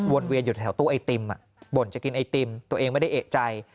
เวียนอยู่แถวตู้ไอติมบ่นจะกินไอติมตัวเองไม่ได้เอกใจ